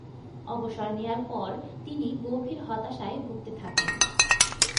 অবসর নেয়ার পর তিনি গভীর হতাশায় ভুগতে থাকেন।